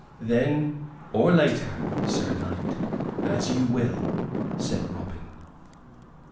"Then, or later, Sir Knight, as you will," said Robin.